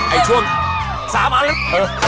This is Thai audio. ไอ้ช่วง๓อันเลย